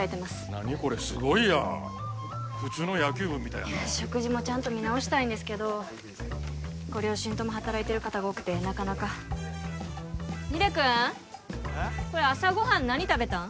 何これすごいやん普通の野球部みたいやな食事もちゃんと見直したいんですけどはい先生ご両親とも働いてる方が多くてなかなか楡くんこれ朝ごはん何食べたん？